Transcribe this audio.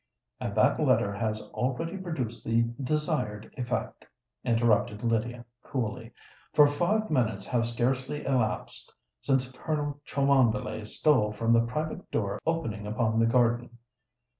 "And that letter has already produced the desired effect," interrupted Lydia, coolly; "for five minutes have scarcely elapsed since Colonel Cholmondeley stole from the private door opening upon the garden."